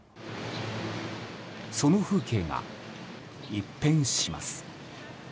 その風景が一変します。